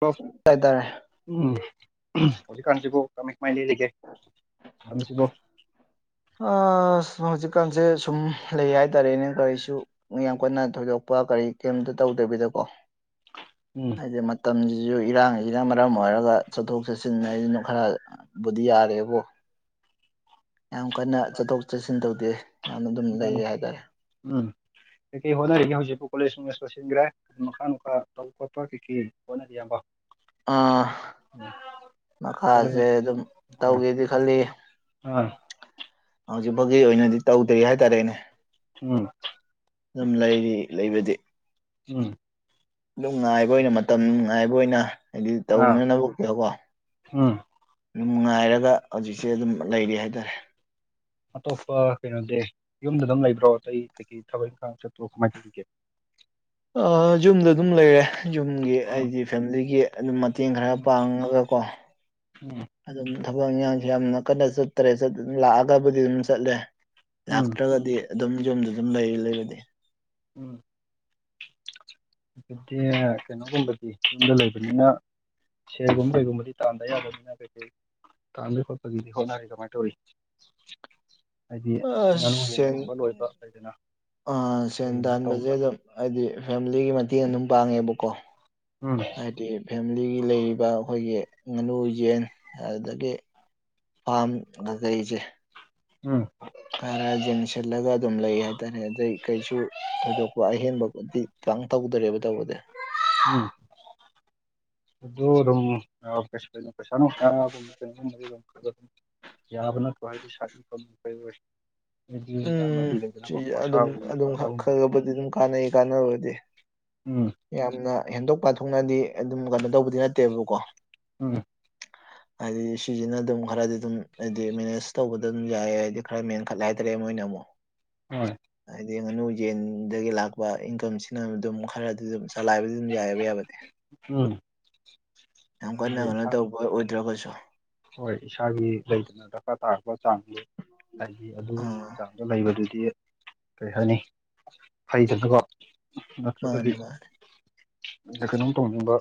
ꯑꯣ ꯍꯥꯏꯇꯥꯔꯦ ꯎꯝ ꯍꯧꯖꯤꯛ ꯀꯥꯟꯁꯤꯕꯨ ꯀꯃꯥꯏ ꯀꯃꯥꯏ ꯂꯦꯜꯂꯤꯒꯦ ꯀꯥꯟꯁꯤꯕ ꯑꯥ ꯍꯧꯖꯤꯛꯀꯥꯟꯁꯦ ꯁꯨꯝ ꯂꯩ ꯍꯥꯏꯇꯥꯔꯦꯅꯦ ꯀꯔꯤꯁꯨ ꯌꯥꯝ ꯀꯟꯅ ꯊꯣꯏꯗꯣꯛꯄ ꯀꯔꯤ ꯀꯔꯤꯝꯇ ꯇꯧꯗꯕꯤꯗꯀꯣ ꯎꯝ ꯍꯥꯏꯗꯤ ꯃꯇꯝꯖꯤꯁꯨ ꯏꯔꯥꯡꯁꯤꯅ ꯃꯔꯝ ꯑꯣꯏꯔꯒ ꯆꯠꯊꯣꯛ ꯆꯠꯁꯤꯟ ꯍꯥꯏꯁꯤꯅ ꯈꯔ ꯕꯨꯗꯤ ꯌꯥꯔꯦꯕꯣ ꯌꯥꯝ ꯀꯟꯅ ꯆꯠꯊꯣꯛ ꯆꯠꯁꯤꯟ ꯇꯧꯗꯦ ꯌꯥꯝꯅ ꯑꯗꯨꯝ ꯃꯥꯅꯤ ꯂꯩꯌꯦ ꯍꯥꯏꯇꯥꯔꯦ ꯎꯝ ꯀꯩ ꯀꯩ ꯍꯣꯠꯅꯔꯤꯒꯦ ꯍꯧꯖꯤꯛꯄꯨ ꯀꯣꯂꯦꯖ ꯅꯨꯡꯂꯦꯖ ꯂꯣꯏꯁꯤꯟꯒ꯭ꯔꯦ ꯃꯈꯥ ꯅꯨꯡꯈꯥ ꯇꯧꯕ ꯀꯩ ꯀꯩ ꯍꯣꯠꯅꯔꯤ ꯍꯌꯥꯝꯕ ꯑꯥ ꯃꯈꯥꯖꯦ ꯀꯣꯂꯦꯖ ꯑꯗꯨꯝ ꯍꯣꯏ ꯇꯧꯒꯦꯗꯤ ꯈꯜꯂꯤ ꯑꯥ ꯍꯧꯖꯤꯛ ꯐꯥꯎꯒꯤ ꯑꯣꯏꯅꯗꯤ ꯇꯧꯗ꯭ꯔꯤ ꯍꯥꯏꯇꯥꯔꯦꯅꯦ ꯎꯝ ꯑꯗꯨꯝ ꯂꯩꯔꯤ ꯂꯩꯕꯗꯤ ꯎꯝ ꯑꯗꯨꯝ ꯉꯉꯥꯏꯕ ꯑꯣꯏꯅ ꯃꯇꯝ ꯉꯥꯏꯕ ꯑꯣꯏꯅ ꯍꯥꯏꯗꯤ ꯑꯥ ꯇꯧꯅꯅꯕꯒꯤꯀꯣ ꯎꯝ ꯑꯗꯨꯝ ꯉꯥꯏꯔꯒ ꯍꯧꯖꯤꯛꯁꯦ ꯑꯗꯨꯝ ꯂꯩꯔꯤ ꯍꯥꯏꯇꯥꯔꯦ ꯑꯇꯣꯞꯄ ꯀꯩꯅꯣꯗꯤ ꯌꯨꯝꯗ ꯑꯗꯨꯝ ꯂꯩꯕ꯭ꯔꯣ ꯑꯇꯩ ꯊꯕꯛ ꯏꯪꯥꯡ ꯆꯠꯇ꯭ꯔꯣ ꯀꯃꯥꯏꯅ ꯇꯧꯒꯦ ꯌꯨꯝꯗ ꯑꯗꯨꯝ ꯂꯩꯔꯦ ꯌꯨꯝꯒꯤ ꯎꯝ ꯍꯥꯏꯗꯤ ꯐꯦꯃꯤꯂꯤꯒꯤ ꯑꯗꯨꯝ ꯃꯇꯦꯡ ꯈꯔ ꯄꯥꯡꯉꯒ ꯀꯣ ꯎꯝ ꯑꯗꯨꯝ ꯊꯕꯛ ꯏꯟꯈꯥꯡꯁꯨ ꯌꯥꯝꯅ ꯀꯟꯅ ꯆꯠꯇꯔꯦ ꯂꯥꯛꯑꯒꯕꯨꯗꯤ ꯑꯗꯨꯝ ꯆꯠꯂꯦ ꯎꯝ ꯂꯥꯛꯇ꯭ꯔꯒꯗꯤ ꯑꯗꯨꯝ ꯌꯨꯝꯗ ꯑꯗꯨꯝ ꯂꯩ ꯂꯩꯕꯗꯤ ꯎꯝ ꯑꯗꯨꯗꯤ ꯀꯩꯅꯣꯒꯨꯝꯕꯗꯤ ꯌꯨꯝꯗ ꯂꯩꯕꯅꯤꯅ ꯁꯦꯒꯨꯝ ꯀꯩꯒꯨꯝꯕꯗꯤ ꯇꯥꯟꯗ ꯌꯥꯗꯅꯤꯅ ꯀꯩꯀꯩ ꯇꯥꯟꯕꯩ ꯈꯣꯠꯄꯒꯤꯗꯤ ꯍꯣꯅꯔꯤ ꯀꯃꯥꯏꯅ ꯇꯧꯔꯤ ꯍꯥꯏꯗꯤ ꯑꯁ ꯉꯥꯡ ꯁꯦꯟ ꯌꯦꯟꯒꯨꯝꯕ ꯂꯣꯏꯕ ꯂꯩꯗꯅ ꯑ ꯁꯦꯟ ꯑꯗꯨꯒꯨꯝꯕ ꯇꯥꯟꯕꯁꯦ ꯇꯧꯕ꯭ꯔꯥ ꯑꯗꯨꯝ ꯍꯥꯏꯗꯤ ꯐꯦꯃꯤꯂꯤꯒꯤ ꯃꯇꯦꯡ ꯑꯗꯨꯝ ꯄꯥꯡꯉꯦꯕꯀꯣ ꯎꯝ ꯍꯥꯏꯗꯤ ꯐꯦꯃꯤꯂꯤꯒꯤ ꯂꯩꯔꯤꯕ ꯑꯩꯈꯣꯏꯒꯤ ꯉꯥꯅꯨ ꯌꯦꯟ ꯑꯗꯨꯗꯒꯤ ꯄꯥꯝꯗꯕ ꯑꯩꯁꯦ ꯎꯝ ꯈꯔ ꯌꯦꯡꯁꯤꯜꯂꯒ ꯑꯗꯨꯝ ꯂꯩ ꯍꯥꯏꯇꯥꯔꯦ ꯑꯗꯩ ꯀꯩꯁꯨ ꯊꯣꯏꯗꯣꯛꯄ ꯑꯍꯦꯟꯕꯗꯤ ꯈꯤꯇꯪ ꯇꯧꯗꯔꯦꯕ ꯇꯧꯕꯗ ꯎꯝ ꯑꯗꯨ ꯑꯗꯨꯝꯩ ꯄꯩꯁꯥ ꯅꯨꯡꯁ ꯑꯗꯨ ꯌꯥꯕꯅ ꯀꯣ ꯍꯥꯏꯗꯤꯦ ꯁꯥ ꯀ [unintelligible] ꯎꯝ ꯑꯗꯨꯝ ꯈꯣꯔꯁꯥꯒꯨꯝꯕ ꯑꯗꯨꯝ ꯈꯣꯔꯁꯥꯒꯨꯝꯕ ꯈꯔ ꯈꯕꯨꯗꯤ ꯑꯗꯨꯝ ꯀꯥꯟꯅꯩ ꯀꯥꯟꯅꯕꯗꯤ ꯎꯝ ꯌꯥꯝꯅ ꯍꯦꯟꯗꯣꯛ ꯄꯥꯊꯣꯛꯅꯗꯤ ꯑꯗꯨꯝ ꯀꯩꯅꯣ ꯇꯧꯕꯗꯤ ꯅꯠꯇꯦꯕꯀꯣ ꯎꯝ ꯍꯥꯏꯗꯤ ꯁꯤꯁꯤꯅ ꯑꯗꯨꯝ ꯈꯔꯗꯤ ꯑꯗꯨꯝ ꯍꯥꯏꯗꯤ ꯃꯦꯅꯦꯖ ꯇꯧꯕꯗ ꯑꯗꯨꯝ ꯌꯥꯏꯑ ꯍꯥꯏꯗꯤ ꯈꯔ ꯃꯦꯟꯈꯠꯂꯦ ꯍꯥꯏꯗ꯭ꯔꯦ ꯃꯣꯏꯅ ꯑꯃꯨꯛ ꯍꯣꯏ ꯍꯥꯏꯗꯤ ꯉꯥꯅꯨ ꯌꯦꯟꯗꯒꯤ ꯂꯥꯛꯄ ꯏꯟꯀꯝꯁꯤꯅ ꯑꯗꯨꯝ ꯈꯔꯗꯤ ꯑꯗꯨꯝ ꯆꯂꯥꯏꯕꯗꯤ ꯑꯗꯨꯝ ꯌꯥꯏꯑꯕ ꯌꯥꯕꯗꯤ ꯎꯝ ꯌꯥꯝ ꯀꯟꯅ ꯍꯥꯏꯗꯤ ꯀꯟꯅꯣ ꯏꯁꯥ ꯇꯧꯕ ꯍꯣꯏ ꯑꯣꯏꯗ꯭ꯔꯒꯁꯨ ꯍꯣꯏ ꯏꯁꯥꯒꯤ ꯂꯩꯗꯅ ꯗꯔꯀꯥꯔ ꯇꯥꯔꯕ ꯆꯥꯡꯁ ꯍꯥꯏꯗꯤ ꯑꯗꯨꯒꯤ ꯑꯥ ꯆꯥꯡ ꯑ ꯂꯩꯕꯗꯨꯗꯤ ꯀꯔꯤ ꯍꯥꯏꯅꯤ ꯐꯩꯗꯗꯀꯣ ꯔꯇ꯭ꯔꯄꯗꯤ ꯃꯥꯅꯦ ꯃꯥꯅꯦ ꯑ ꯀꯩꯅꯣꯝ ꯇꯧꯅꯤꯡꯕ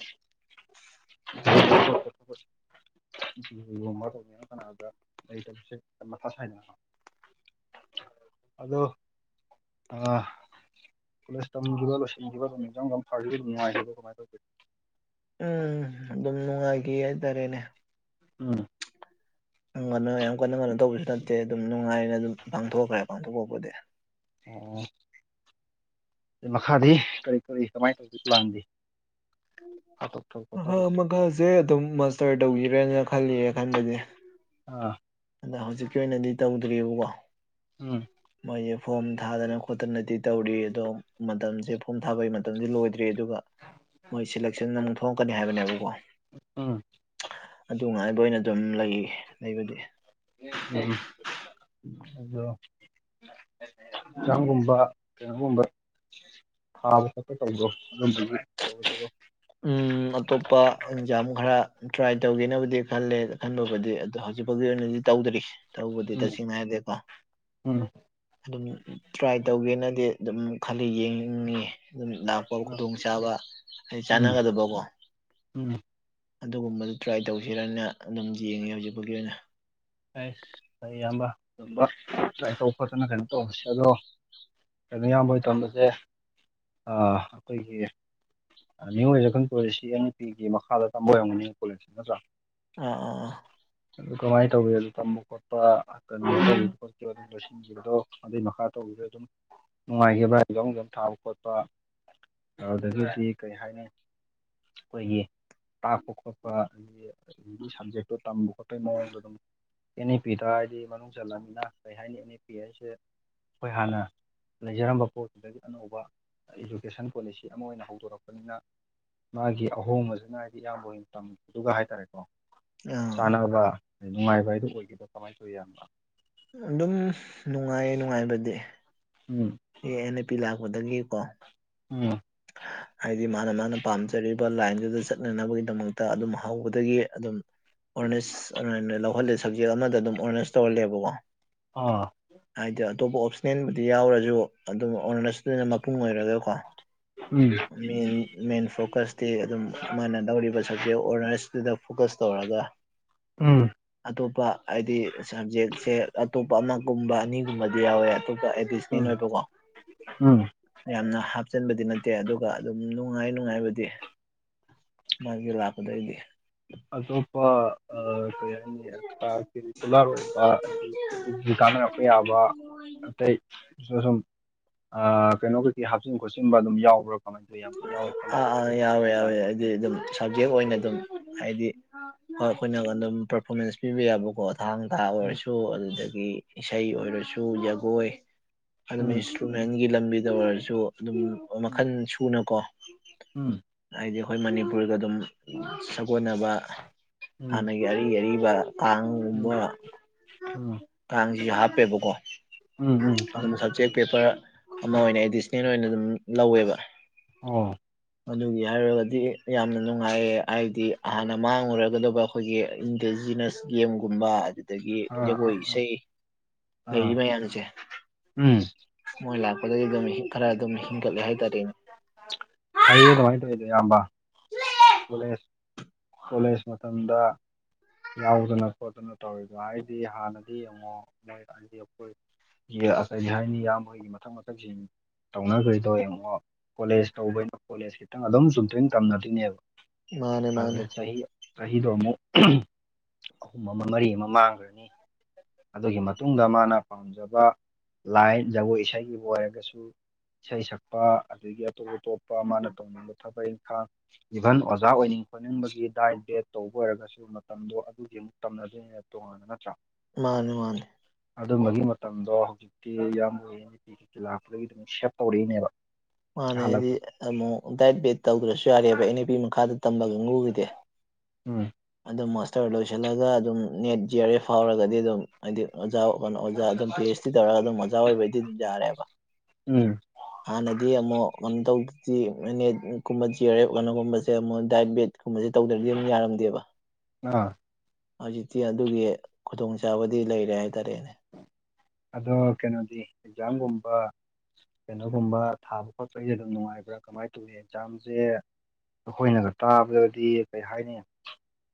[unintelligible] ꯇꯧꯅꯤꯅ ꯀꯅꯥꯗ ꯂꯩ [unintelligible] ꯃꯊꯥ [unintelligible] ꯑꯗ ꯑ ꯀꯦ ꯇ ꯀꯈꯤꯕ ꯂꯣꯁꯤꯤꯡ ꯀꯈꯤꯕ ꯇꯃꯤ ꯐꯥꯔ ꯅꯉ ꯀꯃꯥꯏ ꯇ ꯎꯝ ꯑꯗꯨꯝ ꯅꯨꯡꯉꯥꯏꯈꯤ ꯍꯥꯏꯇꯥꯔꯦꯅꯦ ꯎꯝ ꯀꯅꯣ ꯌꯥꯝ ꯀꯟꯅ ꯀꯩꯅꯣ ꯇꯧꯕꯁꯨ ꯅꯠꯇꯦ ꯑꯗꯨꯝ ꯅꯨꯡꯉꯥꯏꯅ ꯑꯗꯨꯝ ꯄꯥꯡꯊꯣꯛꯈ꯭ꯔꯦ ꯄꯥꯡꯊꯣꯛꯄꯄꯗꯤ ꯑꯣ ꯑ ꯃꯈꯥꯗꯤ ꯀꯔꯤ ꯀꯔꯤ ꯀꯃꯥꯏꯅ ꯇꯧꯁꯤꯦ ꯄ꯭ꯂꯥꯟꯗꯤ ꯍꯥꯠꯇꯣꯛꯊꯕ ꯈꯣꯠꯇꯕꯁꯦ ꯃꯈꯥꯁꯦ ꯑꯗꯨꯝ ꯃꯁꯇꯔ ꯇꯧꯈꯤꯔꯦꯅ ꯈꯜꯂꯤꯌꯦ ꯈꯟꯕꯗꯤ ꯑꯥ ꯑꯗ ꯍꯧꯖꯤꯛꯀꯤ ꯑꯣꯏꯅꯗꯤ ꯇꯧꯗ꯭ꯔꯤꯑꯕꯀꯣ ꯎꯝ ꯃꯣꯏꯁꯦ ꯐꯣꯔꯝ ꯊꯥꯗꯅ ꯈꯣꯠꯇꯅꯗꯤ ꯇꯧꯔꯤ ꯑꯗꯣ ꯃꯇꯝꯁꯦ ꯐꯣꯝ ꯊꯥꯕꯒꯤ ꯃꯇꯝꯗꯤ ꯂꯣꯏꯗ꯭ꯔꯤ ꯑꯗꯨꯒ ꯍꯣꯏ ꯁꯦꯂꯦꯛꯁꯟ ꯑꯃꯨꯛ ꯊꯣꯛꯂꯛꯀꯅꯤ ꯍꯥꯏꯕꯅꯦꯕꯀꯣ ꯎꯝ ꯑꯗꯨ ꯉꯥꯏꯕ ꯑꯣꯏꯅ ꯑꯗꯨꯝ ꯂꯩ ꯂꯩꯕꯗꯤ ꯎꯝ ꯑꯗꯣ ꯀꯥꯡ ꯀꯨꯝꯕ ꯀꯒꯨꯝꯕ [unintelligible] ꯍꯥꯎꯄ ꯇꯧꯗꯣ ꯆ ꯆꯣ [unintelligible] ꯎꯝ ꯑꯇꯣꯞꯄ ꯑꯦꯟꯖꯥꯝ ꯈꯔ ꯇ꯭ꯔꯥꯏ ꯇꯧꯒꯦꯕꯨꯗꯤ ꯈꯜꯂꯦ ꯈꯟꯕꯕꯨꯗꯤ ꯑꯗꯣ ꯍꯧꯖꯤꯛꯐꯥꯎꯒꯤ ꯑꯣꯏꯅꯗꯤ ꯇꯧꯗ꯭ꯔꯤꯁꯦ ꯇꯧꯕꯗꯤ ꯎꯝ ꯇꯁꯦꯡꯅ ꯍꯥꯏꯗꯤꯀꯣ ꯎꯝ ꯑꯗꯨꯝ ꯇ꯭ꯔꯥꯏ ꯇꯧꯒꯦꯅꯗꯤ ꯑꯗꯨꯝ ꯈꯜꯂꯤ ꯌꯦꯡꯅꯤꯡꯉ ꯑꯗꯨꯝ ꯂꯥꯛꯄ ꯈꯨꯗꯣꯡ ꯆꯒ ꯎꯝ ꯑꯗꯨ [unintelligible] ꯀꯣ ꯎꯝ ꯑꯗꯨꯒꯨꯝꯕꯗꯨ ꯇ꯭ꯔꯥꯏ ꯇꯧꯁꯤꯔꯅ ꯑꯗꯨꯝ ꯌꯦꯡꯉꯦ ꯍꯧꯖꯤꯛꯐꯥꯎꯒꯤ ꯑꯣꯏꯅ ꯑꯩꯁ ꯍꯣꯏ ꯏꯌꯥꯝꯕ ꯑꯗꯨꯝꯕ ꯇ꯭ꯔꯥꯏ ꯇꯧꯕ ꯈꯣꯠꯇꯅ ꯀꯩꯅꯣ ꯇꯧꯔꯁꯦ ꯑꯗꯣ ꯀꯩꯅꯣ ꯏꯌꯥꯝꯕ ꯑꯣꯏꯅ ꯇꯝꯕꯁꯦ ꯑꯩꯈꯣꯏꯒꯤ ꯃꯤꯑꯣꯉꯏꯔ ꯈꯟ ꯀꯣꯏꯔꯤꯁꯤ ꯑꯦ ꯅꯨꯄꯤꯒꯤ ꯃꯈꯥꯗ ꯇꯝꯕ ꯑꯣꯏꯔꯝꯒꯅꯤ ꯀꯣꯂꯦꯁꯁꯤ ꯅꯠꯇ꯭ꯔꯥ ꯑꯥ ꯑꯥ ꯑꯥ ꯑꯗꯨꯥꯏ ꯇꯧꯋꯦ ꯑꯗꯨ ꯇꯝꯕ ꯈꯣꯠꯄ ꯀꯩꯅꯣꯧ ꯈ ꯑꯗꯨ ꯂꯣꯏꯁꯤꯟꯈꯤꯕꯗꯣ ꯑꯗꯨꯏ ꯃꯈꯥ ꯇꯧꯕꯤꯗꯣ ꯑꯗꯨꯝ ꯅꯨꯡꯉꯥꯏꯈꯤꯕ꯭ꯔꯥ ꯌꯦꯖꯣꯝ ꯏꯖꯣꯝ ꯊꯥꯕ ꯈꯣꯠꯄ ꯑꯗꯨꯗꯒꯤꯗꯤ ꯀꯔꯤ ꯍꯥꯏꯅꯤ ꯑꯩꯈꯣꯏꯒꯤ ꯇꯥꯛꯄ ꯈꯣꯠꯄ ꯑꯗꯒꯤ ꯑꯒꯤ ꯁꯕꯖꯦꯛꯇꯣ ꯇꯝꯕ ꯈꯣꯠꯄꯒꯤ ꯃꯑꯣꯡꯗꯣ ꯑꯗꯨꯝ ꯑꯦꯟ ꯑꯦ ꯄꯤꯗ ꯍꯥꯏꯗꯤ ꯃꯅꯨꯡ ꯆꯜꯂꯅꯤꯅ ꯀꯩ ꯍꯥꯏꯅꯤ ꯑꯦꯟ ꯑꯦ ꯄꯤ ꯍꯥꯏꯁꯦ ꯑꯩꯈꯣꯏ ꯍꯥꯟꯅ ꯂꯩꯖꯔꯝꯕ ꯄꯣꯠꯁꯤꯨꯗꯒꯤ ꯑꯅꯧꯕ ꯏꯗꯨꯀꯦꯁꯟ ꯄꯣꯂꯤꯁꯤ ꯑꯃ ꯑꯣꯏꯅ ꯍꯧꯗꯣꯔꯛꯄꯅꯤꯅ ꯃꯥꯒꯤ ꯑꯍꯣꯡꯕꯁꯤꯅ ꯍꯥꯏꯗꯤ ꯏꯌꯥꯝꯕ ꯑꯣꯏꯅ ꯇꯝꯗꯨ ꯍꯥꯏꯇꯥꯔꯦꯀꯣ ꯑꯥ ꯑꯥ ꯆꯥꯅꯕ ꯅꯨꯡꯉꯥꯏꯕ ꯍꯥꯏꯗꯨꯣ ꯑꯣꯏꯒꯗ꯭ꯔꯥ ꯀꯃꯥꯏꯅ ꯇꯧꯋꯤ ꯌꯥꯝꯕ ꯑꯗꯨꯝ ꯅꯨꯡꯉꯥꯏꯌꯦ ꯅꯨꯡꯉꯥꯏꯕꯗꯤ ꯎꯝ ꯑꯦ ꯑꯦꯟ ꯑꯦ ꯄꯤ ꯂꯥꯛꯄꯗꯒꯤ ꯀꯣ ꯎꯝ ꯍꯥꯏꯗꯤ ꯃꯥꯅ ꯃꯥꯅ ꯄꯥꯝꯖꯔꯤꯕ ꯂꯥꯏꯟꯗꯨꯗ ꯆꯠꯅꯅꯕꯒꯤꯗꯃꯛꯇ ꯑꯗꯨꯝ ꯍꯧꯕꯗꯒꯤ ꯑꯗꯨꯝ ꯑꯣꯔꯅꯦꯁ ꯂꯧꯍꯜꯂꯦ ꯁꯕꯖꯦꯛ ꯑꯃꯗ ꯑꯗꯨꯝ ꯑꯣꯔꯅꯦꯁ ꯇꯧꯍꯜꯂꯦꯕꯀꯣ ꯑꯥ ꯍꯥꯏꯗꯤ ꯑꯇꯣꯞꯄ ꯑꯣꯞꯁꯅꯦꯦꯟꯕꯨꯗꯤ ꯌꯥꯎꯔꯁꯨ ꯑꯗꯨꯝ ꯑꯣꯅꯔꯁꯇꯅ ꯃꯄꯨꯡ ꯑꯣꯏꯔꯒꯀꯣ ꯎꯝ ꯃꯦꯟ ꯐꯣꯀꯁꯇꯤ ꯑꯗꯨꯝ ꯃꯥꯅ ꯂꯧꯧꯔꯤꯕ ꯁꯕꯖꯦꯛ ꯑꯣꯔꯅꯔꯁꯇꯨꯗ ꯐꯣꯀꯁ ꯇꯧꯔꯒ [inaudible] ꯎꯝ ꯑꯇꯣꯞꯄ ꯍꯥꯏꯗꯤ ꯁꯕꯖꯦꯛꯁꯦ ꯑꯇꯣꯞꯄ ꯑꯃꯒꯨꯝꯕ ꯑꯅꯤꯒꯨꯝꯕꯗꯤ ꯌꯥꯎꯋꯦ ꯑꯇꯣꯞꯄ ꯎꯝ ꯑꯣꯏꯕꯣ ꯎꯝ ꯌꯥꯝꯅ ꯍꯥꯞꯆꯟꯕꯗꯤ ꯅꯦ ꯂꯩꯠꯇꯦ ꯑꯗꯨꯒ ꯑꯗꯨꯝ ꯅꯨꯡꯉꯥꯏ ꯅꯨꯡꯉꯥꯏꯕꯗꯤ ꯃꯥꯒꯤ ꯂꯥꯛꯄꯗꯒꯤꯗꯤ ꯑꯇꯣꯞꯄ ꯀꯩ ꯍꯥꯏꯅꯤ ꯑꯦꯛꯁꯇ꯭ꯔꯥ ꯀꯦꯔꯤꯀꯨꯂꯔ ꯑꯣꯏꯕ ꯀꯥꯟꯅꯔꯛꯄ ꯌꯥꯕ ꯑꯇꯩ ꯁꯨꯝ ꯀꯩꯅꯣ ꯍꯥꯞꯆꯤꯟ ꯈꯣꯠꯆꯤꯟꯕ ꯑꯗꯨꯝ ꯌꯥꯎꯕ꯭ꯔꯥ ꯀꯃꯥꯏ ꯇꯧꯋ ꯌꯥꯝꯅꯗꯤ ꯌꯥꯎꯋꯦ ꯑꯥ ꯈꯜꯂꯦꯅ ꯑꯥ ꯍꯥꯏꯅꯈ꯭ꯔꯦ ꯌꯥꯎꯋꯦ ꯌꯥꯎꯋꯦ ꯍꯥꯏꯔꯦ ꯍꯥꯏꯗꯤ ꯑꯗꯨꯝ ꯁꯕꯖꯦꯛ ꯑꯣꯏꯅ ꯑꯗꯨꯝ ꯍꯥꯏꯗꯤ ꯑꯩꯈꯣꯏꯅ ꯑꯗꯨꯝ ꯄꯔꯐꯣꯔꯃꯦꯟꯁ ꯄꯤꯕ ꯌꯥꯕꯀꯣ ꯊꯥꯡ ꯊꯥ ꯎꯝ ꯑꯣꯏꯔꯁꯨ ꯑꯗꯨꯗꯒꯤ ꯏꯁꯩ ꯑꯣꯏꯔꯁꯨ ꯖꯒꯣꯏ ꯑꯗꯨꯝ ꯎꯝ ꯭ꯔꯨꯃꯦꯟꯒꯤ ꯂꯝꯕꯤꯗ ꯑꯣꯏꯔꯁꯨ ꯑꯗꯨꯝ ꯎꯝ ꯃꯈꯜ ꯁꯨꯅꯀꯣ ꯎꯝ ꯍꯥꯏꯗꯤ ꯑꯩꯈꯣꯏ ꯃꯅꯤꯄꯨꯔꯒ ꯑꯗꯨꯝ ꯁꯥꯒꯣꯟꯅꯕ ꯍꯥꯟꯅꯒꯤ ꯑꯔꯤ ꯑꯔꯤꯕ ꯀꯥꯡꯒꯨꯝꯕ ꯎꯝ ꯎꯝ ꯀꯥꯡꯁꯤꯁꯨ ꯍꯥꯞꯄꯦꯕꯀꯣ ꯎꯝ ꯎꯝ ꯇꯝꯕ ꯁꯕꯖꯦꯛ ꯈꯣꯠꯄꯒꯤꯅꯦ ꯄꯦꯄꯔ ꯑꯃ ꯑꯣꯏꯅ ꯑꯦꯗꯤꯁꯅꯦꯜ ꯑꯣꯏꯅ ꯑꯗꯨꯝ ꯂꯧꯋꯦꯕ ꯑꯣ ꯑꯗꯨꯒꯤ ꯍꯥꯏꯔꯒꯗꯤ ꯌꯥꯝꯅ ꯅꯨꯡꯉꯥꯏꯌꯦ ꯍꯥꯏꯗꯤ ꯍꯥꯟꯅ ꯃꯥꯡꯉꯨꯔꯒꯗꯕ ꯑꯩꯈꯣꯏꯒꯤ ꯏꯟꯗꯤꯖꯤꯅꯁ ꯒꯦꯝꯒꯨꯝꯕ ꯑꯗꯒꯤ ꯑꯥ ꯑꯥ ꯖꯒꯣꯏ ꯑꯥ ꯏꯁꯩ ꯂꯩꯔꯤ ꯑꯥ ꯃꯌꯥꯝꯁꯦ ꯎꯝ ꯃꯣꯏ ꯂꯥꯛꯄꯗꯒꯤ ꯑꯗꯨꯝ ꯈꯔ ꯑꯗꯨꯝ ꯍꯤꯡꯒꯠꯂꯦ ꯍꯥꯏꯇꯥꯔꯦꯅꯦ ꯐꯩꯌꯦ ꯑꯗꯨꯃꯥꯏ ꯇꯧꯔꯤꯗꯣ ꯏꯌꯥꯝꯕ [unintelligible] ꯀꯣꯂꯦꯖ ꯃꯇꯝꯗ ꯌꯥꯎꯗꯅ ꯈꯣꯠꯇꯅ ꯇꯧꯔꯤꯕ ꯍꯥꯏꯗꯤ ꯍꯥꯟꯅꯗꯤ ꯌꯦꯡꯉꯣ ꯅꯣꯏ ꯍꯥꯏꯗꯤ ꯑꯩꯈꯣꯏ ꯑꯗꯤ ꯍꯥꯏꯅꯤ ꯏꯌꯥꯝꯕꯒꯤ ꯃꯊꯪ ꯃꯊꯪꯁꯤ ꯇꯧꯅꯈ꯭ꯔꯤꯗꯣ ꯌꯦꯡꯉꯣ ꯀꯣꯂꯦꯖ ꯇꯧꯕꯩꯅꯣ ꯀꯣꯂꯦꯖ ꯈꯤꯇꯪ ꯑꯗꯨꯝ ꯆꯨꯝ ꯇꯣꯏꯅ ꯇꯝꯅꯗꯣꯏꯔꯤꯅꯦꯕ ꯃꯥꯅꯦ ꯃꯥꯅꯦ ꯑꯗꯨꯗ ꯆꯍꯤ ꯆꯍꯤꯗꯣ ꯑꯃꯨꯛ ꯑꯍꯨꯝ ꯑꯃ ꯃꯔꯤ ꯑꯃ ꯃꯥꯡꯈ꯭ꯔꯅꯤ ꯑꯗꯨꯒꯤ ꯃꯇꯨꯡꯗ ꯃꯥꯅ ꯄꯥꯝꯖꯕ ꯂꯥꯏꯟ ꯖꯒꯣꯏ ꯏꯁꯩꯒꯤꯕꯨ ꯑꯣꯏꯔꯒꯁꯨ ꯏꯁꯩ ꯁꯛꯄ ꯑꯗꯒꯤ ꯑꯇꯣꯞ ꯑꯇꯣꯞꯄ ꯃꯥꯅ ꯇꯧꯅꯤꯡ ꯊꯕꯛ ꯏꯪꯈꯥꯡ ꯏꯚꯟ ꯑꯣꯖꯥ ꯑꯣꯏꯅꯤꯡꯉ ꯈꯣꯠꯅꯤꯡꯕꯒꯤ ꯗꯥꯏꯠ ꯕꯦꯛ ꯇꯧꯕ ꯑꯣꯏꯔꯒꯁꯨ ꯃꯇꯝꯗꯣ ꯑꯗꯨꯗꯤ ꯑꯃꯨꯛ ꯇꯝꯅꯗꯣꯏꯅꯦꯅ ꯇꯣꯉꯥꯟꯥꯟꯕ ꯅꯠꯇ꯭ꯔꯥ ꯃꯥꯅꯤ ꯃꯥꯅꯤ ꯑꯗꯨꯝꯕꯒꯤ ꯃꯇꯝꯗꯣ ꯍꯧꯖꯤꯛꯇꯤ ꯌꯥꯝ ꯑꯣꯏꯌꯦ ꯂꯥꯛꯄꯗꯒꯤ ꯑꯗꯨꯝ ꯁꯦꯞ ꯇꯧꯔꯛꯏꯅꯦꯕ ꯃꯥꯅꯦ ꯍꯥꯏꯗꯤ ꯍꯜꯂꯛꯄꯁꯦ ꯑꯃꯨꯛ ꯗꯥꯏꯠ ꯕꯦꯠ ꯇꯧꯗ꯭ꯔꯁꯨ ꯌꯥꯔꯦꯕ ꯑꯦꯟ ꯑꯦ ꯄꯤ ꯃꯈꯥꯗ ꯇꯝꯕ ꯀꯥꯡꯒꯨꯒꯤꯗꯤ ꯎꯝ ꯑꯗꯨꯝ ꯃꯥꯁꯇꯔ ꯂꯣꯏꯁꯤꯜꯂꯒ ꯑꯗꯨꯝ ꯅꯦꯠ ꯖꯤ ꯑꯔ ꯑꯦ ꯐꯥꯎꯔꯒꯗꯤ ꯑꯗꯨꯝ ꯍꯥꯏꯗꯤ ꯑꯣꯖꯥ ꯀꯩꯅꯣ ꯑꯣꯖꯥ ꯑꯗꯨꯝ ꯄꯤ ꯑꯩꯆ ꯗꯤ ꯇꯧꯔꯒ ꯑꯗꯨꯝ ꯑꯣꯖꯥ ꯑꯣꯏꯕꯩꯗꯤ ꯑꯗꯨꯝ ꯌꯥꯔꯦꯕ ꯎꯝ ꯍꯥꯟꯅ ꯗꯤ ꯑꯃꯨꯛ ꯀꯩꯅꯣ ꯇꯧꯗꯗꯤ ꯅꯠꯀꯨꯝꯕ ꯆꯦꯔꯦꯞ ꯀꯩꯅꯣꯒꯨꯝꯕꯁꯦ ꯑꯃꯨꯛ ꯗꯥꯏꯠ ꯕꯦꯠ ꯀꯨꯝꯕꯁꯦ ꯇꯧꯗ꯭ꯔꯗꯤ ꯑꯗꯨꯝ ꯌꯥꯔꯝꯗꯦꯕ ꯑꯥ ꯍꯧꯖꯤꯛꯇꯤ ꯑꯗꯨꯒꯤ ꯈꯨꯗꯣꯡꯆꯥꯥꯕꯗꯤ ꯂꯩꯔꯦ ꯍꯥꯏꯇꯥꯔꯦꯅꯦ ꯑꯗꯣ ꯀꯩꯅꯣꯗꯤ ꯑꯦꯛꯖꯥꯝꯒꯨꯝꯕ ꯀꯩꯅꯣꯒꯨꯝꯕ ꯊꯥꯕ ꯈꯣꯠꯄꯒꯤꯁꯦ ꯑꯗꯨꯝ ꯅꯨꯡꯉꯥꯏꯕ꯭ꯔꯥ ꯀꯃꯥꯏꯅ ꯇꯧꯏ ꯑꯦꯛꯖꯥꯝꯁꯦ ꯑꯩꯈꯣꯏꯅꯒ ꯇꯥꯕꯗꯗꯤ ꯀꯩ ꯍꯥꯏꯅꯤ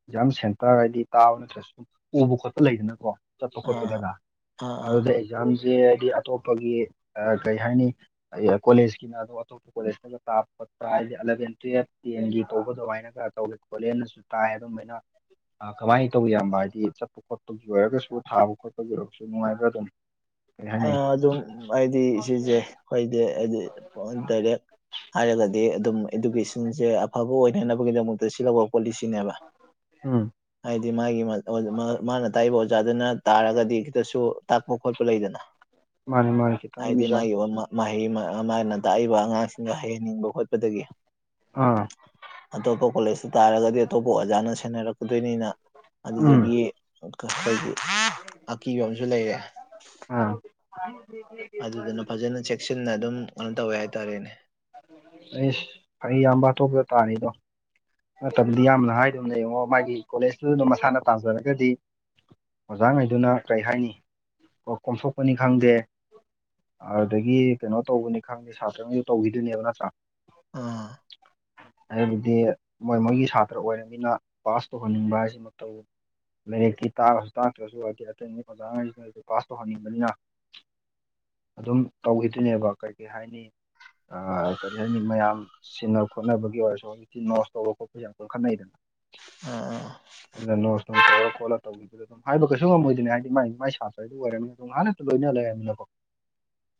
ꯑꯦꯛꯖꯥꯝ ꯁꯦꯟꯇꯔ ꯍꯥꯏꯗꯤ ꯇꯥꯕ ꯅꯠꯇ꯭ꯔꯁꯨ ꯁꯨꯝ ꯎꯕ ꯈꯣꯠꯄ ꯂꯩꯗꯅꯀꯣ ꯆꯠꯄ ꯑ ꯈꯣꯠꯄꯗꯒ ꯑ ꯑꯗꯨꯗ ꯑꯦꯛꯖꯥꯝꯁꯦ ꯍꯥꯏꯗꯤ ꯑꯇꯣꯞꯄꯒꯤ ꯀꯩ ꯍꯥꯏꯅꯤ ꯀꯣꯂꯦꯖꯀꯤꯅ ꯑꯣꯇ ꯀꯣꯂꯦꯇ ꯇꯥ ꯈꯣꯠꯄ ꯍꯥꯏꯗꯤ ꯑꯦꯂꯚꯦꯜ ꯇ꯭ꯨꯌꯜꯞ ꯇꯦꯟꯒꯤ ꯇꯧꯕ ꯑꯗꯨꯃꯥꯏꯅ ꯈꯔ ꯇꯧꯋꯦ ꯈꯣꯂ ꯅ ꯇꯥꯏ ꯑꯗꯨꯝ [unintelligible] ꯀꯃꯥꯏꯅ ꯇꯧ ꯌꯥꯕ ꯍꯥꯏꯗꯤ ꯆꯠꯄ ꯈꯣꯠꯄꯒꯤ ꯑꯣꯏꯔꯒꯁꯨ ꯊꯥꯕ ꯈꯣꯠꯄꯒꯤ ꯑꯣꯏꯔꯒꯁꯨ ꯅꯨꯡꯉꯥꯏꯕ꯭ꯔ ꯇꯝ ꯑꯗꯨꯝ ꯍꯥꯏꯗꯤ ꯁꯤꯁꯦ ꯑꯩꯈꯣꯏꯗꯦ ꯍꯥꯏꯗꯤ ꯗꯥꯏꯔꯦꯛ ꯍꯥꯏꯔꯒꯗꯤ ꯑꯗꯨꯝ ꯏꯗꯨꯀꯦꯁꯟꯁꯦ ꯑꯐꯕ ꯑꯣꯏꯅꯅꯕꯒꯤꯗꯃꯛꯇ ꯁꯤꯂꯛꯄ ꯄꯣꯂꯤꯁꯤꯅꯦꯕ ꯎꯝ ꯍꯥꯏꯗꯤ ꯃꯥꯒꯤ ꯃꯥꯅ ꯇꯥꯛꯏꯕ ꯑꯣꯖꯥꯗꯨꯅ ꯇꯥꯔꯒꯗꯤ ꯈꯤꯇꯁꯨ ꯇꯥꯛꯄ ꯈꯣꯠꯄ ꯂꯩꯗꯅ ꯃꯥꯅꯦ ꯃꯥꯅꯦ ꯍꯥꯏꯗꯤ ꯃꯥꯒꯤ ꯃꯍꯩ ꯃꯥꯅ ꯇꯥꯛꯏꯕ ꯑꯉꯥꯡꯁꯤꯡꯒ ꯍꯩꯍꯟꯅꯤꯡꯕ ꯈꯣꯠꯄꯗꯒꯤ ꯑꯥ ꯑꯗꯣꯄ ꯀꯣꯂꯦꯁ ꯇꯥꯔꯒꯗꯤ ꯑꯇꯣꯞꯄ ꯑꯣꯖꯥꯅ ꯁꯦꯟꯅꯔꯛꯀꯗꯣꯏꯅꯤꯅ ꯎꯝ ꯑꯗꯨꯗꯨꯒꯤ ꯍꯥꯏꯗꯤ ꯑꯀꯤꯕ ꯑꯃꯁꯨ ꯂꯩꯔꯦ꯫ ꯑꯥ ꯑꯗꯨꯗꯨꯅ ꯐꯖꯅ ꯆꯦꯛꯁꯤꯟꯅ ꯑꯗꯨꯝ ꯀꯩꯅꯣ ꯇꯧꯋꯦ ꯍꯥꯏꯇꯥꯔꯦꯅꯦ꯫ ꯑꯩꯁ ꯐꯔꯤ ꯌꯥꯝꯕ ꯑꯇꯣꯞꯄꯗ ꯇꯥꯔꯤꯗꯣ ꯃꯇꯝꯗꯤ ꯌꯥꯝꯅ ꯍꯥꯏꯗꯨꯅ ꯌꯦꯡꯉꯣ ꯃꯥꯒꯤ ꯀꯣꯂꯦꯖꯇꯨꯗꯅꯝ ꯃꯁꯥꯅ ꯇꯥꯟꯖꯔꯒꯗꯤ꯫ ꯑꯣꯖꯥꯉꯩꯗꯨꯅ ꯀꯔꯤ ꯍꯥꯏꯅꯤ ꯀ ꯀꯣꯝꯊꯣꯛꯄꯅꯤ ꯈꯪꯗꯦ꯫ ꯑꯗꯨꯗꯒꯤ ꯀꯩꯅꯣ ꯇꯧꯕꯅꯤ ꯈꯪꯅꯤꯦ ꯁꯥꯇ꯭ꯔꯉꯩꯁꯨ ꯇꯧꯈꯤꯗꯣꯏꯅꯦꯕ ꯅꯠꯇ꯭ꯔꯥ ꯑꯥ ꯍꯥꯏꯕꯗꯤ ꯃꯣꯏ ꯃꯣꯏꯒꯤ ꯁꯥꯇ꯭ꯔ ꯑꯣꯏꯔꯅꯤꯅ ꯄꯥꯁ ꯇꯧꯍꯟꯅꯤꯡꯕ ꯍꯥꯏꯁꯤꯃ ꯇꯧꯋꯕꯨ ꯂꯥꯏꯔꯤꯛꯀꯤꯤ ꯇꯥꯔꯁꯨ ꯇꯥꯛꯇ꯭ꯔꯁꯨ ꯑꯗꯤ ꯑꯇꯩ ꯑ ꯑꯣꯖꯥꯉꯩꯁꯤꯗ ꯄꯥꯁ ꯇꯧꯍꯟꯅꯤꯡꯕꯅꯤꯅ꯫ ꯑꯗꯨꯝ ꯇꯧꯈꯤꯗꯨꯣꯏꯅꯦꯕ ꯀꯩ ꯀꯩ ꯍꯥꯏꯅꯤ꯫ ꯑ ꯀꯔꯤ ꯍꯥꯏꯅꯤ ꯃꯌꯥꯝ ꯁꯤꯟꯅ ꯈꯣꯠꯅꯕꯒꯤ ꯑꯣꯏꯔꯁꯨ ꯍꯧꯖꯤꯛꯇꯤ ꯅꯣ ꯀꯕ ꯀ ꯄꯩꯁꯥ ꯀꯔ ꯈꯅ ꯂꯩꯗꯅ ꯑꯥ ꯑꯥ ꯑꯗꯨ ꯅꯣꯔ ꯈꯣꯠꯂ ꯑꯗꯨꯝ ꯍꯥꯏꯕ ꯀꯩꯁꯨ ꯉꯝꯃꯣꯏꯗꯣꯏꯅꯦ ꯍꯥꯏꯗꯤ ꯃꯥꯏ ꯃꯥꯏ ꯁꯥꯇ꯭ꯔꯗꯨ ꯑꯣꯏꯔꯅꯤ ꯑꯗꯨꯝ ꯍꯥꯟꯅ ꯂꯣꯏꯅ ꯂꯩꯔꯝꯅꯤꯅꯀꯣ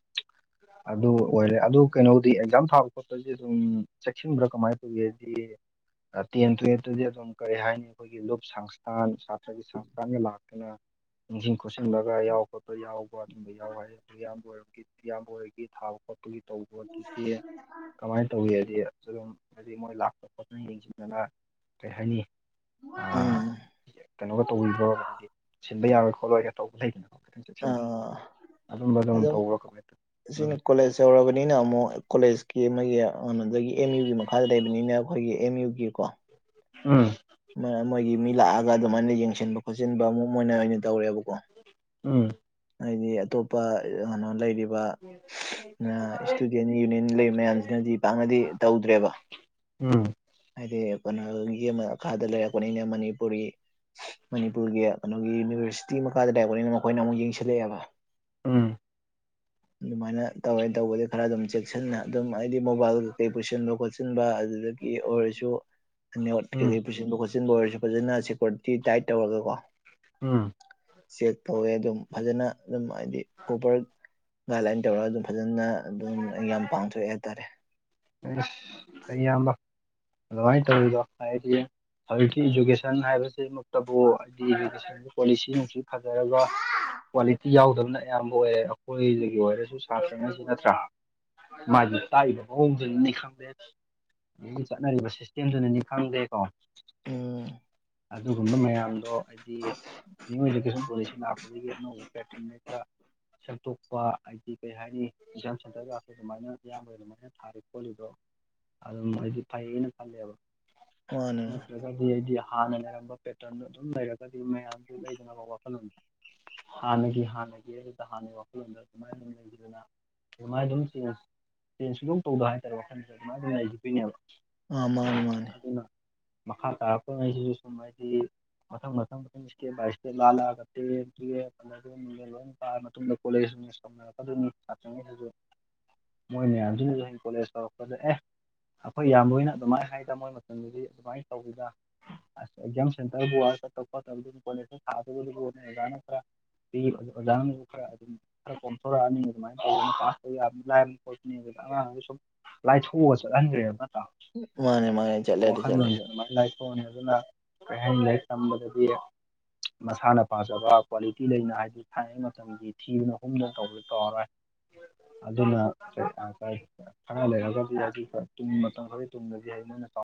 [inaudible] ꯑꯗꯨ ꯑꯣꯏꯔꯦ ꯑꯗꯨ ꯀꯩꯅꯣꯗꯤ ꯑꯦꯛꯖꯥꯝ ꯊꯥꯕ ꯈꯣꯠꯄꯗꯤ ꯑꯗꯨꯝ ꯆꯦꯛꯁꯤꯟꯕ꯭ꯔꯥ ꯀꯃꯥꯏꯅ ꯇꯧꯒꯦ ꯍꯥꯏꯗꯤ ꯇꯦꯟ ꯇꯨꯌꯦꯜꯐꯇꯗꯤ ꯑꯗꯨꯝ ꯀꯔꯤ ꯍꯥꯏꯅꯤ ꯑꯩꯈꯣꯏꯒꯤ ꯂꯨꯞ ꯁꯪꯁꯊꯥꯟ ꯁꯥꯇ꯭ꯔꯒꯤ ꯁꯪꯁꯊꯥꯟꯒ ꯂꯥꯛꯇꯅ ꯅꯤꯡꯁꯤꯡ ꯈꯣꯠꯆꯟꯂꯒ ꯌꯥꯎ ꯈꯣꯠꯄ ꯌꯥꯎꯕ ꯑꯗꯨꯝꯕ ꯌꯥꯎ ꯍꯥꯏ ꯑꯗꯨ ꯑꯌꯥꯝꯕ ꯑꯣꯏꯔ ꯇ ꯃꯔꯒ ꯊꯥꯎ ꯀꯣ ꯇꯨ ꯇꯧꯕ ꯄꯣꯠꯇꯨꯗꯤ ꯀꯃꯥꯏꯅ ꯇꯧꯏ ꯍꯥꯏꯗꯤ ꯑꯗꯨꯝ ꯍꯥꯏꯗꯤ ꯃꯣꯏ ꯂꯥꯛꯄ ꯈꯣꯠꯅ ꯌꯦꯡꯁꯤꯟꯗꯅ ꯀꯔꯤ ꯍꯥꯏꯅꯤ ꯑꯥ ꯀꯩꯅꯣꯒ ꯇꯧꯕꯤꯗꯣꯕꯅꯗꯤ ꯁꯤꯟꯕ ꯌꯥꯔꯣꯏ ꯈꯣꯠꯂꯣꯏꯒ ꯇꯧꯕ ꯂꯩꯗꯅ ꯑꯣ ꯈꯤꯇꯪ ꯆꯦꯛꯁꯤꯟꯅ ꯑꯥ ꯑꯗꯨꯝꯕ ꯑꯗꯨꯝ ꯇꯧꯕꯣ ꯀꯃꯥꯏ ꯎꯝ ꯁꯤꯅ ꯀꯣꯂꯦꯖ ꯌꯧꯔꯕꯅꯤꯅ ꯑꯃꯨꯛ ꯀꯣꯂꯦꯖꯀꯤ ꯑꯃꯒꯤ ꯑꯗꯒꯤ ꯑꯦꯝ ꯌꯨꯒꯤ ꯃꯈꯥꯗ ꯂꯩꯕꯅꯤꯅ ꯑꯩꯈꯣꯏꯒꯤ ꯑꯦꯝ ꯌꯨꯒꯤꯀꯣ ꯎꯝ ꯃꯣꯏꯒꯤ ꯃꯤ ꯂꯥꯛꯑꯒ ꯑꯗꯨꯃꯥꯏꯅ ꯌꯦꯡꯁꯤꯟꯕ ꯈꯣꯠꯆꯤꯟꯕ ꯑꯃꯨꯛ ꯃꯣꯏꯅ ꯑꯣꯏꯅ ꯇꯧꯔꯦꯕꯀꯣ ꯎꯝ ꯍꯥꯏꯗꯤ ꯑꯇꯣꯞꯄ ꯀꯩꯅꯣ ꯂꯩꯔꯤꯕ ꯏꯁꯇꯨꯗꯦꯟ ꯌꯨꯅꯤꯌꯟ ꯂꯩꯕ ꯃꯌꯥꯝꯁꯤꯅꯗꯤ ꯄꯥꯛꯅꯗꯤ ꯇꯧꯗ꯭ꯔꯦꯕ ꯎꯝ ꯍꯥꯏꯗꯤ ꯀꯩꯅꯣꯒꯤ ꯃꯈꯥꯗ ꯂꯩꯔꯛꯄꯅꯤꯅ ꯃꯅꯤꯄꯨꯔꯤ ꯃꯅꯤꯄꯨꯔꯒꯤ ꯀꯩꯅꯣꯒꯤ ꯌꯨꯅꯤꯚꯔꯁꯤꯇꯤ ꯃꯈꯥꯗ ꯂꯩꯛꯕꯅꯤꯅ ꯃꯈꯣꯏꯅ ꯑꯃꯨꯛ ꯌꯦꯡꯁꯤꯜꯂꯛꯑꯦꯕ꯫ ꯎꯝ ꯑꯗꯨꯃꯥꯏꯅ ꯇꯧꯋꯦꯅ ꯇꯧꯕꯗꯤ ꯈꯔ ꯑꯗꯨꯝ ꯆ ꯟꯅ ꯑꯗꯨꯝ ꯍꯥꯏꯗꯤ ꯃꯣꯕꯥꯏꯜ ꯀꯩ ꯀꯩ ꯄꯨꯁꯤꯟꯕ ꯈꯣꯠꯆꯟꯕ ꯑꯗꯨꯗꯒꯤ ꯑꯣꯏꯔꯁꯨ ꯅꯣꯠ ꯎꯝ ꯀꯩꯀꯩ ꯄꯨꯁꯤꯟꯕ ꯈꯣꯠꯆꯤꯟꯕ ꯑꯣꯏꯔꯁꯨ ꯐꯖꯅ ꯁꯦꯀꯌꯨꯔꯤꯇꯤ ꯇꯥꯏꯠ ꯇꯧꯔꯒ ꯀꯣ ꯎꯝ ꯆꯦꯛ ꯇꯧꯋꯦ ꯑꯗꯨꯝ ꯐꯖꯅ ꯑꯗꯨꯝ ꯍꯥꯏꯗꯤ ꯄ꯭ꯔꯣꯄꯔ ꯒꯥꯏꯗꯂꯥꯏꯟ ꯇꯧꯔꯒ ꯑꯗꯨꯝ ꯐꯖꯅ ꯑꯗꯨꯝ ꯌꯥꯝ ꯄꯥꯡꯊꯣꯛꯑꯦ ꯍꯥꯏꯇꯥꯔꯦ꯫ ꯑꯩ ꯑꯌꯥꯝꯕ ꯑꯗꯨꯃꯥꯏꯅ ꯇꯧꯋꯗꯣ ꯍꯥꯏꯗꯤ ꯍꯧꯒꯤ ꯏꯖꯨꯀꯦꯁꯟ ꯍꯥꯏꯕꯁꯤꯃꯛꯇꯕꯨꯗꯤ ꯀꯣꯂꯤꯁꯤ ꯅꯨꯡꯁꯤ ꯐꯖꯔꯒ ꯀ꯭ꯋꯥꯂꯤꯇꯤ ꯌꯥꯎꯗꯕꯅ ꯑꯌꯥꯝꯕ ꯑꯣꯏꯌꯦ ꯑꯩꯈꯣꯏꯗꯒꯤ ꯑꯣꯏꯔꯁꯨ ꯁꯥꯇ꯭ꯔꯉꯁꯤ ꯅꯠꯇ꯭ꯔꯥ ꯃꯥꯒꯤ ꯇꯥꯏ ꯃꯑꯣꯡꯗꯨꯅꯅꯤ ꯈꯪꯗꯦ ꯑꯒꯤ ꯆꯠꯅꯔꯤꯕ ꯁꯤꯛꯁꯇꯦꯝꯗꯨꯅꯅꯤ ꯈꯪꯗꯦꯀꯣ ꯎꯝ ꯑꯗꯨꯒꯨꯝꯕ ꯃꯌꯥꯝꯗꯣ ꯅꯤꯌ ꯑꯦꯗꯨꯀꯦꯁꯟ ꯄꯣꯂꯤꯁꯤ ꯂꯥꯛꯄꯗꯒꯤ ꯑꯅꯧꯕꯥ ꯄꯦꯇꯔꯟ ꯈꯔ ꯁꯦꯝꯦꯡꯇꯣꯛꯄ ꯍꯥꯏꯗꯤ ꯀꯩ ꯍꯥꯏꯅꯤ ꯇꯨꯏꯁꯟ ꯁꯦꯟꯇꯔꯒ ꯑꯩꯈꯣꯏ ꯑꯗꯨꯃꯥꯏꯅ ꯏꯌꯥꯝꯕꯗ ꯑꯗꯨꯃꯥꯏꯅ ꯊꯥꯔꯤ ꯈꯣꯠꯂꯤꯗꯣ ꯑꯗꯨꯝ ꯍꯥꯏꯗꯤ ꯐꯩꯅ ꯈꯜꯂꯦꯕ ꯃꯥꯅꯦ ꯃꯥ- ꯅꯠꯇ꯭ꯔꯒ ꯍꯥꯏꯒꯗꯤ ꯑꯩꯗꯤ ꯍꯥꯟꯅ ꯂꯩꯔꯝꯕ ꯄꯦꯇꯔꯟ ꯑꯗꯨꯝ ꯂꯩꯔꯒꯗꯤ ꯃꯌꯥꯝꯗꯨ ꯂꯩꯗꯅꯕ ꯋꯥꯈꯜꯂꯣꯟꯗ ꯍꯥꯟꯅꯒꯤ ꯍꯥꯟꯅꯒꯤ ꯑꯗꯨꯗ ꯍꯥꯟꯅꯒꯤ ꯋꯥꯈꯜꯂꯣꯟꯗ ꯑꯗꯨꯃꯥꯏꯅ ꯑꯗꯨꯝ ꯂꯩꯈꯤꯕꯗꯅ ꯑꯗꯨꯃꯥꯏꯅ ꯑꯗꯨꯝ ꯆꯦꯟꯖ ꯆꯦꯟꯖ ꯁꯨꯡꯗꯧ ꯇꯧꯗ ꯍꯥꯏꯇꯥꯔꯦ ꯋꯥꯈꯜꯗꯨꯁꯨ ꯑꯗꯨꯃꯥꯏ ꯑꯗꯨꯝ ꯂꯩꯒꯤ ꯗꯣꯏꯅꯦꯕ ꯑ ꯃꯥꯅꯦ ꯃꯥꯅꯦ ꯑꯗꯨꯅ ꯃꯈꯥ ꯇꯥꯔꯛꯄꯉꯩꯁꯤꯁꯨ ꯁꯨꯝ ꯍꯥꯏꯗꯤ ꯃꯗꯪ ꯃꯊꯪ ꯃꯊꯪ ꯏꯁꯇꯦꯞ ꯕꯥꯏ ꯏꯁꯊꯦꯞ ꯂꯥꯥꯜꯂꯛꯑꯒ [unintelligible] [unintelligible] ꯂꯣꯏ ꯀꯥꯔ ꯃꯇꯨꯡꯗ ꯀꯣꯂꯦꯖ ꯇꯧꯅꯔꯛꯀꯗꯣꯏꯅꯤ ꯁꯥꯇ꯭ꯔꯥ ꯒꯩꯒꯥꯁꯨ ꯃꯣꯏꯃꯌꯥꯝꯁꯤꯅꯁꯨ ꯀꯣꯂꯦꯖ ꯇꯧꯔꯛꯄꯗ ꯑꯦ ꯑꯩꯈꯣꯏ ꯌꯥꯝꯕꯅ ꯑꯗꯨꯃꯥꯏꯅ ꯍꯥꯏꯗ ꯃꯣꯏ ꯃꯇꯝꯗꯨꯗꯤ ꯑꯗꯨꯃꯥꯏꯅ ꯇꯧꯒꯤꯗ ꯑꯦꯛꯖꯥꯝ ꯁꯦꯟꯇꯔꯕꯨ ꯑ ꯆꯠꯇ ꯈꫭꯠꯇꯕꯗꯨꯕꯨ ꯀꫭꯂꯦꯖꯇ ꯊꯥꯗꫭꯔꯗꯨꯕꯨ ꯑꫭꯖꯥꯅ ꯈꯔ ꯄꯤ ꯑꯣꯖꯥꯅꯁꯨ ꯈꯔ ꯑꯗꯨꯝ ꯈꯔ ꯀꫭꯝꯊꯣꯔꯛ ꯑꯅꯤ ꯑꯗꯨꯃꯥꯏ ꯇꯧꯗꯅ ꯀ꯭ꯂꯥꯁ ꯇꯨ ꯌꯥꯝ ꯂꯥꯏꯕꯅꯤ ꯈꫭꯠꯄꯅꯤ ꯑꯗꯨꯗ ꯑꯡꯉꯥꯡꯒꯩꯖꯨ ꯁꯨꯝ ꯂꯥꯏꯊꯣꯛꯑꯒ ꯆꯠꯍꯟꯈ꯭ꯔꯦꯅ ꯃꯥꯅꯦ ꯃꯥꯅꯦ ꯆꯠꯂ ꯑꯗꯨ ꯆꯠꯂꯦ ꯁꯣꯛꯑꯅꯤ ꯑꯗꯨꯅ ꯀꯩꯍꯥꯏꯅꯤ ꯂꯥꯏꯔꯤꯛ ꯇꯝꯕꯗꯗꯤ ꯃꯁꯥꯅ ꯄꯥꯝꯖꯕ ꯀ꯭ꯋꯥꯂꯤꯇꯤ ꯂꯩꯅ ꯍꯥꯏꯗꯤ ꯊꯥꯏꯅꯩ ꯃꯇꯝ ꯒꯤ ꯊꯤꯗꯅ ꯍꯨꯝꯗꯅ ꯇꯧꯕꯗꯤ ꯇꯧꯔꯣꯏ ꯑꯗꯨꯅ [unintelligible] ꯈꯔ ꯂꯩꯔꯒꯗꯤ ꯑꯖꯤꯛ ꯇꯨꯡꯗ ꯃꯇꯝ ꯈꯔꯒꯤ ꯇꯨꯡꯗꯗꯤ [unintelligible]